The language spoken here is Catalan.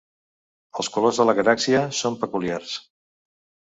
Els colors de la galàxia són peculiars.